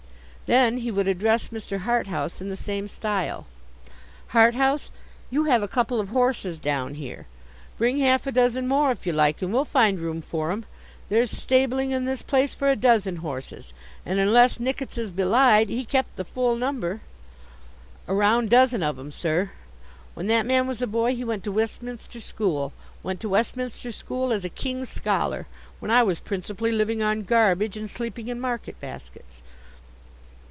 Then he would address Mr. Harthouse in the same style. 'Harthouse, you have a couple of horses down here. Bring half a dozen more if you like, and we'll find room for 'em. There's stabling in this place for a dozen horses; and unless Nickits is belied, he kept the full number. A round dozen of 'em, sir. When that man was a boy, he went to Westminster School. Went to Westminster School as a King's Scholar, when I was principally living on garbage, and sleeping in market baskets.